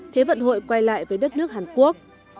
thế vận hội quay lại với đất nước hàn quốc